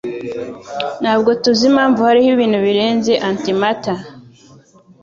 Ntabwo tuzi impamvu hariho ibintu birenze antimatter.